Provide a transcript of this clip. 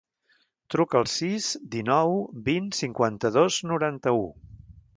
Truca al sis, dinou, vint, cinquanta-dos, noranta-u.